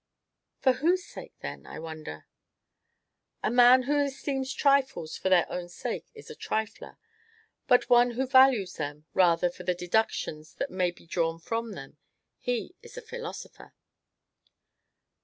"For whose sake then, I wonder?" "A man who esteems trifles for their own sake is a trifler, but one who values them, rather, for the deductions that may be drawn from them he is a philosopher."